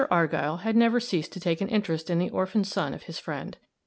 Argyll had never ceased to take an interest in the orphan son of his friend.